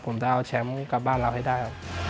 ผมจะเอาแชมป์กลับบ้านเราให้ได้ครับ